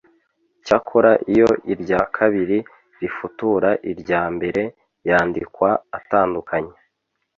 Cyakora iyo irya kabiri rifutura irya mbere yandikwa atandukanye.